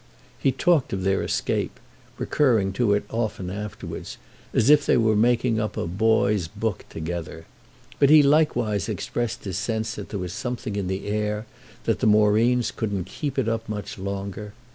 He talked of their escape—recurring to it often afterwards—as if they were making up a "boy's book" together. But he likewise expressed his sense that there was something in the air, that the Moreens couldn't keep it up much longer.